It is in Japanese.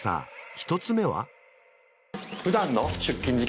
１つ目は？